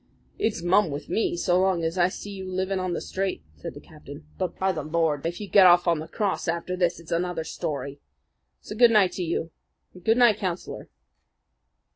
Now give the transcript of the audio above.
"It's mum with me so long as I see you living on the straight," said the captain. "But, by the Lord! if you get off after this, it's another story! So good night to you and good night, Councillor."